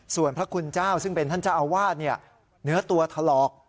ส่วนพระคุณเจ้าซึ่งเป็นท่านเจ้าอาวาสเนื้อตัวถลอก